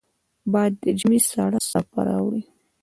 باد د ژمې سړه څپه راوړي